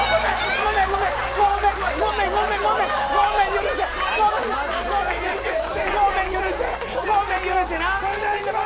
ごめん、許して！